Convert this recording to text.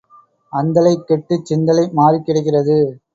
அந்தலை கெட்டுச் சிந்தலை மாறிக் கிடக்கிறது.